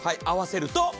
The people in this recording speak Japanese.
合わせると。